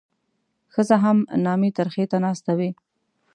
ښځه هم نامي ترخي ته ناسته وي.